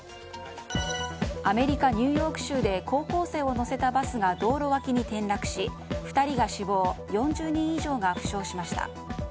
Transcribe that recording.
アメリカ・ニューヨーク州で高校生を乗せたバスが道路脇に転落し２人が死亡４０人以上が負傷しました。